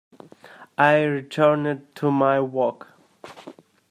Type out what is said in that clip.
I returned to my work.